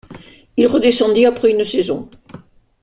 Il redescendit après une saison.